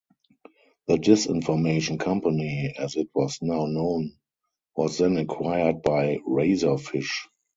The Disinformation Company, as it was now known, was then acquired by Razorfish.